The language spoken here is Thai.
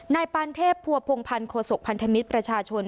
นายปานเทพภัวพงพันธ์โฆษกพันธมิตรประชาชน